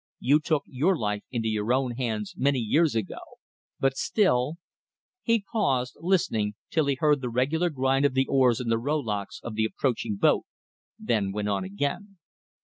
You took your life into your own hands many years ago but still ..." He paused, listening, till he heard the regular grind of the oars in the rowlocks of the approaching boat then went on again.